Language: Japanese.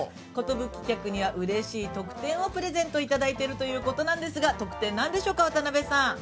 寿客には、うれしい特典をプレゼントいただいているということですが、特典は何でしょうか、渡辺さん。